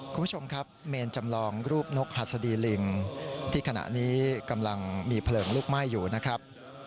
คุณผู้ชมครับเมนจำลองรูปนกหัสดีลิงที่ขณะนี้กำลังมีเพลิงลุกไหม้อยู่นะครับ